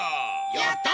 やった！